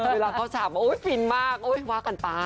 เวลาเขาถามว่าโอ๊ยฟินมากโอ๊ยว่ากันไป